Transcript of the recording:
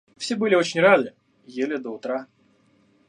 Все были очень рады, ели до утра.